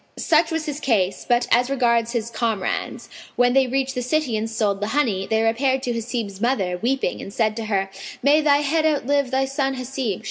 Such was his case; but as regards his comrades, when they reached the city and sold the honey, they repaired to Hasib's mother, weeping, and said to her, "May thy head outlive thy son Hasib!"